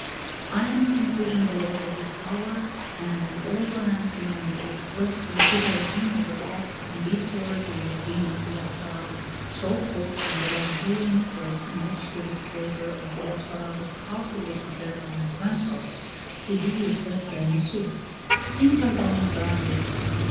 "I am, in conclusion, the lord of this tower and of all the land surrounding it, westward to the ravine of the Fox and eastward to the ravine of the Asparagus, so called from the luxuriant growth and exquisite flavor of the asparagus cultivated there by my grandfather, Sidi Jussef ben Jussuf. "Things are going badly with us.